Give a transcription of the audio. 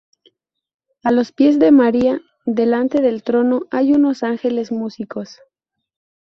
A los pies de María, delante del trono, hay unos ángeles músicos.